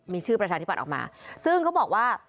มีชื่อประชาธิบัติออกมาซึ่งเขาบอกว่า